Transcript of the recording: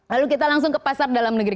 lalu kita langsung ke pasar dalam negeri